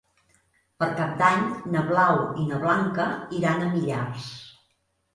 Per Cap d'Any na Blau i na Blanca iran a Millars.